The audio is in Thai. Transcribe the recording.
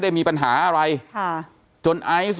เฮ้ยเฮ้ยเฮ้ยเฮ้ยเฮ้ย